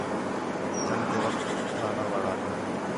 جنگ تے وخت پُٹھا نہ وَڑا کر